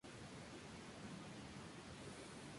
Dibujando sueños...